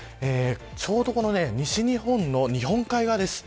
ちょうど西日本の日本海側です。